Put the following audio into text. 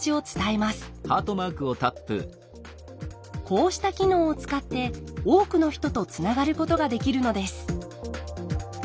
こうした機能を使って多くの人とつながることができるのです。